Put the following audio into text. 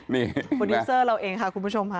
นี่โปรดิวเซอร์เราเองค่ะคุณผู้ชมค่ะ